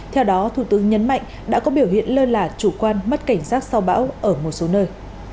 theo đó thủ tướng nhấn mạnh đã có biểu hiện lơ là chủ quan mất cảnh sát sao bão ở một số nơi